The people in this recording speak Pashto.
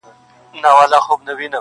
• معلومیږي د بخت ستوری دي ختلی -